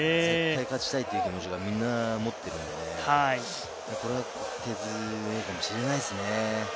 絶対勝ちたいという気持ちをみんな持っているので、これが秘訣かもしれないですね。